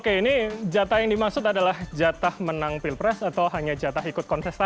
oke ini jatah yang dimaksud adalah jatah menang pilpres atau hanya jatah ikut kontestasi